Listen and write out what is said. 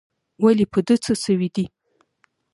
ولي په ده څه سوي دي؟